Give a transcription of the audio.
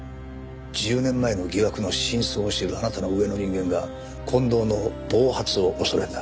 １０年前の疑惑の真相を知るあなたの上の人間が近藤の暴発を恐れた。